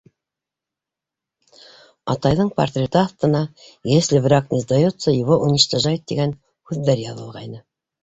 «Атай»ҙың портреты аҫтына «Если враг не сдается, его уничтожают» тигән һүҙҙәр яҙылғайны.